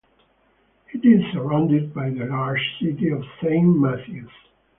It is surrounded by the larger city of Saint Matthews.